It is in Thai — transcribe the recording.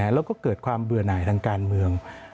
แล้วก็เกิดความเบื่อหน่ายทางการเมือง